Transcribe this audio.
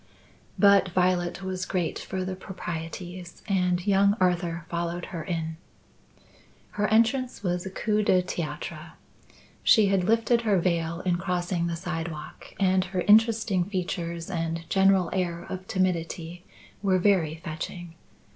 But Violet was great for the proprieties and young Arthur followed her in. Her entrance was a coup du theatre. She had lifted her veil in crossing the sidewalk and her interesting features and general air of timidity were very fetching.